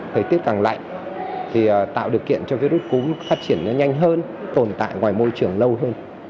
thời tiết càng lạnh thì tạo điều kiện cho virus cúm phát triển nhanh hơn tồn tại ngoài môi trường lâu hơn